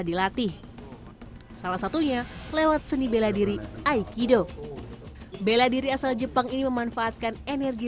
dilatih salah satunya lewat seni bela diri aikido bela diri asal jepang ini memanfaatkan energi